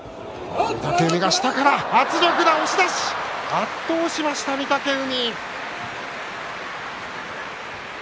圧倒しました、御嶽海。